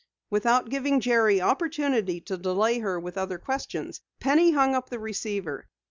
Without giving Jerry opportunity to delay her with other questions, Penny hung up the receiver.